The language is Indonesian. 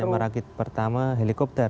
saya merakit pertama helikopter